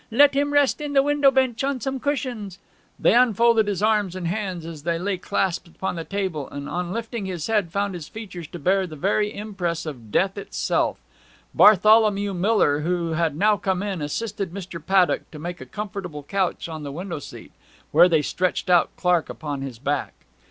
'Let him rest in the window bench on some cushions.' They unfolded his arms and hands as they lay clasped upon the table, and on lifting his head found his features to bear the very impress of death itself. Bartholomew Miller, who had now come in, assisted Mr. Paddock to make a comfortable couch in the window seat, where they stretched out Clark upon his back.